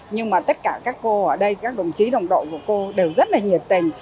nhưng mà tất cả các cô ở đây các đồng chí đồng đội của cô đều rất là nhiệt tình